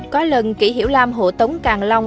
có lần kỷ hiểu lam hộ tống càng long